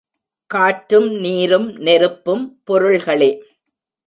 காற்றும் நீரும் நெருப்பும் பொருள்களே.